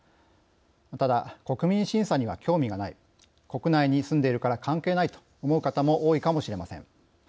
ただ、国民審査には興味がない国内に住んでいるから関係ないと思う方も多いかもしれません。